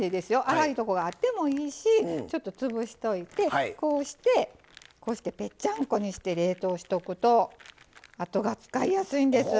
粗いとこがあってもいいしちょっと潰しといてこうしてぺっちゃんこにして冷凍しとくとあとが使いやすいんです。